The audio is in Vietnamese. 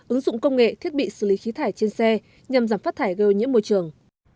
ứng dụng công nghệ thiết bị xử lý khí thải trên xe nhằm giảm phát thải gây ô nhiễm môi trường